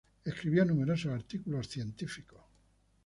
Escribió numerosos artículos científicos.